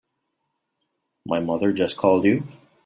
My mother just called you?